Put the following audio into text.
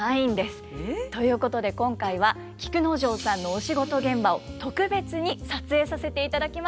えっ？ということで今回は菊之丞さんのお仕事現場を特別に撮影させていただきました。